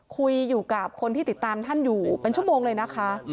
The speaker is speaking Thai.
คุยกับคนที่ติดตามท่านอยู่เป็นชั่วโมงเลยนะคะ